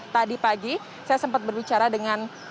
tadi pagi saya sempat berbicara dengan